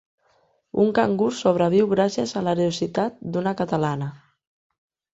Un cangur sobreviu gràcies a l'heroïcitat d'una catalana